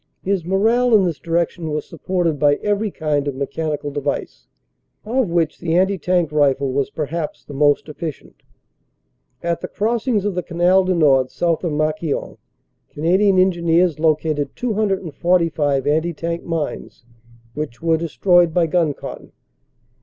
His morale in this direction was supported by every kind of mechanical device, of which the anti tank rifle was perhaps the most efficient. At the crossings of the Canal du Nord south of Marquion Canadian Engineers located 245 anti tank mines, which were destroyed by gun cotton.